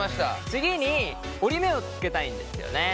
次に折り目をつけたいんですよね。